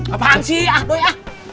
apaan sih ah doi ah